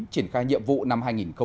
triển khai nhiệm vụ năm hai nghìn hai mươi